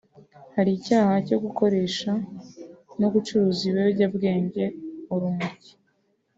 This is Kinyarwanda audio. Hari icyaha cyo gukoresha no gucuruza ibiyobyabwenge (urumogi